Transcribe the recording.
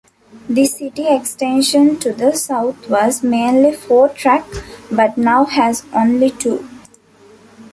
The City Extension to the south was mainly four-track but now has only two.